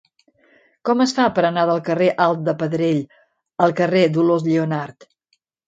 Com es fa per anar del carrer Alt de Pedrell al carrer de Dolors Lleonart?